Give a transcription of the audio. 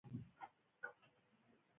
څلورم د لګښتونو کمول او کنټرولول دي.